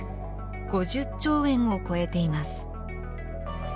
５０兆円を超えています。